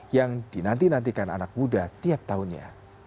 yang dinantikan anak muda tiap tahunnya